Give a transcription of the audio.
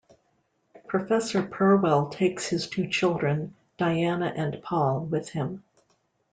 Professor Purwell takes his two children, Diana and Paul, with him.